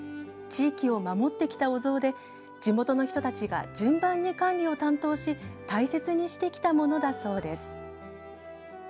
地域を守ってきたお像で地元の人たちが順番に管理を担当し大切にしてきたものだそうです。